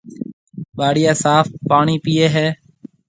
ٻاݪيا صاف پاڻِي پيئيَ ھيََََ